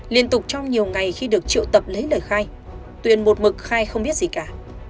liên tục trong nhiều ngày khi được triệu tập lấy lời khai tuyền một mực khai không biết gì cả